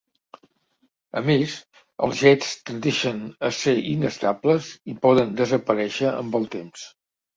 A més, els jets tendeixen a ser inestables i poden desaparèixer amb el temps.